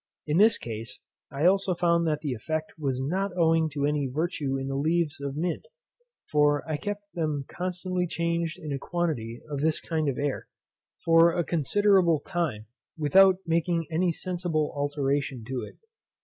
In this case also I found that the effect was not owing to any virtue in the leaves of mint; for I kept them constantly changed in a quantity of this kind of air, for a considerable time, without making any sensible alteration in it.